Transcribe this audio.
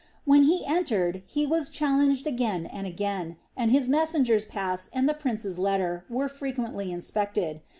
When he entered he was challenged again and again, and his messenger's pass and the prince's letter were frequently inspected.